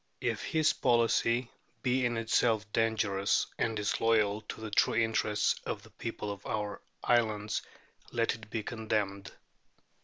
If his policy be in itself dangerous and disloyal to the true interests of the people of our islands, let it be condemned.